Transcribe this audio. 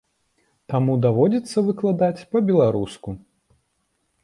Таму даводзіцца выкладаць па-беларуску.